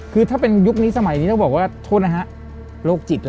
คือถ้าเป็นยุคนี้สมัยนี้ต้องบอกว่าโทษนะฮะโรคจิตล่ะ